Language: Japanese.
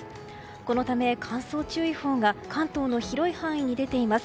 このため乾燥注意報が関東の広い範囲に出ています。